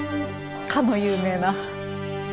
かの有名な。